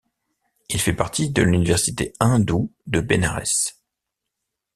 Il fait partie de l'université hindoue de Bénarès.